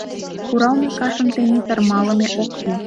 Куралме кашым тений тырмалыме ок кӱл.